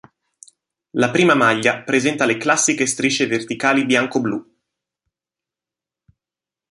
La prima maglia presenta le classiche strisce verticali biancoblu.